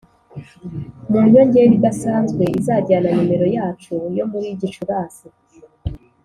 mu nyongera idasanzwe izajyana nimero yacu yo muri gicurasi.